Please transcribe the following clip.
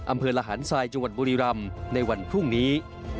อำเภอระหารทรายจังหวัดบุรีรำในวันพรุ่งนี้